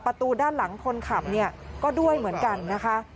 ประตูด้านหลังคนขับเนี่ยก็ด้วยเหมือนกันนะคะ